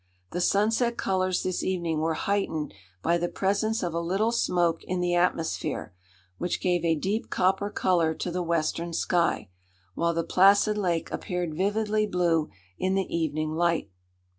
The sunset colors this evening were heightened by the presence of a little smoke in the atmosphere, which gave a deep copper color to the western sky, while the placid lake appeared vividly blue in the evening light.